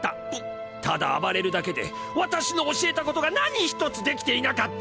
ただ暴れるだけで私の教えたことが何一つできていなかった！